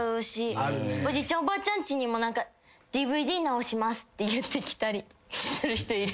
おじいちゃんおばあちゃんちにも。って言ってきたりする人いる。